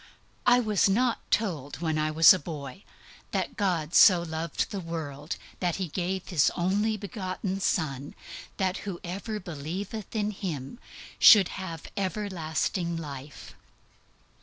I was not told when I was a boy that "God so loved the world that He gave His only begotten Son, that whosoever believeth in Him should have everlasting life."